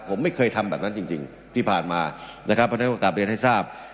ผมไม่เคยทำแบบนั้นจริงที่ผ่านมานะครับเพราะฉะนั้นต้องกลับเรียนให้ทราบ